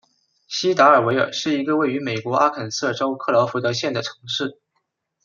锡达尔维尔是一个位于美国阿肯色州克劳福德县的城市。